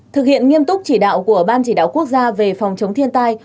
thực hiện nghiêm túc chỉ đạo của ban chỉ đạo quốc gia về phòng chống thiên tai